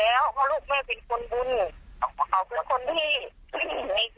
แล้วแม่จะทำให้ลูกดีที่สุดไม่ต้องห่วงอะไรเป็นนางฟ้าบนสวรรค์ได้